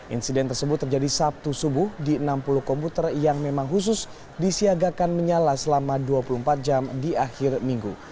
insiden tersebut terjadi sabtu subuh di enam puluh komputer yang memang khusus disiagakan menyala selama dua puluh empat jam di akhir minggu